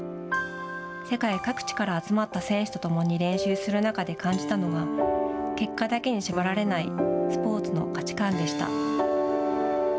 世界各地から集まった選手とともに練習する中で感じたのが結果だけに縛られないスポーツの価値観でした。